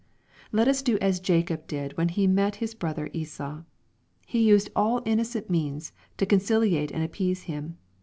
Let us do as Jacob did when he met his brother Esau. He used all innocent means to conciliate and appease him.